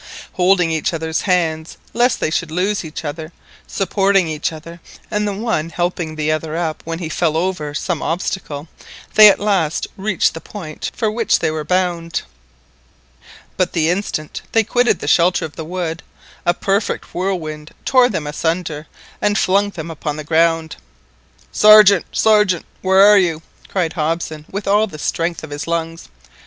Holding each other's hands lest they should lose each other, supporting each other, and the one helping the other up when he fell over some obstacle, they at last reached the point for which they were bound. But the instant they quitted the shelter of the wood a perfect whirlwind tore them asunder, and flung them upon the ground. "Sergeant, Sergeant! Where are you?" cried Hobson with all the strength of his lungs.